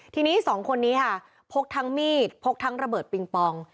ทีนี้สองคนนี้ค่ะพกทั้งมีดพกทั้งระเบิดปิงปอง